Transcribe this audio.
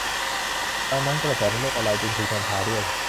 ดังนั้นกระแสในโลกออนไลน์จึงถูกนำพาด้วย